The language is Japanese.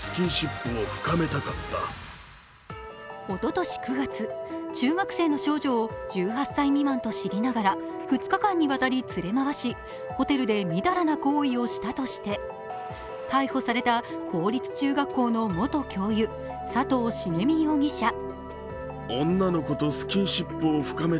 おととし９月、中学生の少女を１８歳未満と知りながら２日間にわたり連れ回し、ホテルでみだらな行為をしたとして逮捕された公立中学校の元教諭、佐藤繁実容疑者。